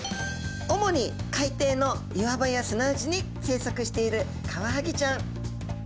主に海底の岩場や砂地に生息しているカワハギちゃん。